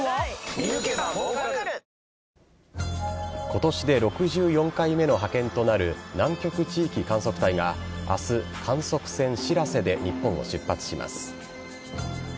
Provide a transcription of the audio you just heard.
今年で６４回目の派遣となる南極地域観測隊が明日、観測船「しらせ」で日本を出発します。